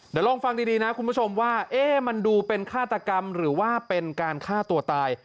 เดี๋ยวลองฟังดีนะคุณผู้ชมว่ามันดูเป็นฆาตกรรมหรือว่าเป็นการฆ่าตัวตาย